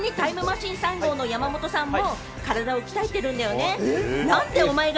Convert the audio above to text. ちなみにタイムマシーン３号の山本さんも体を鍛えているんだよね？